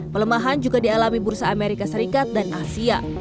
pelemahan juga dialami bursa amerika serikat dan asia